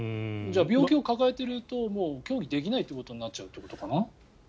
じゃあ、病気を抱えていると競技できないということになっちゃうってことかな。